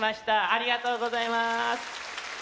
ありがとうございます。